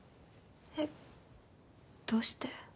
えっどうして？